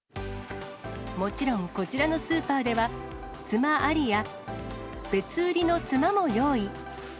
もちろん、こちらのスーパーでは、つまありや、別売りのつまも用意。